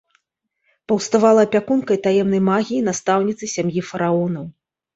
Паўставала апякункай таемнай магіі, настаўніцай сям'і фараонаў.